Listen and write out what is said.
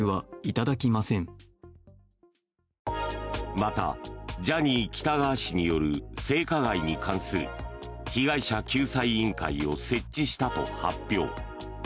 また、ジャニー喜多川氏による性加害に関する被害者救済委員会を設置したと発表。